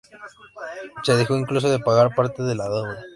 Se dejó incluso de pagar parte de la deuda.